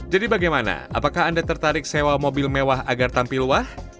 jadi bagaimana apakah anda tertarik sewa mobil mewah agar tampil wah